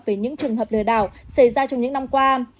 về những trường hợp lừa đảo xảy ra trong những năm qua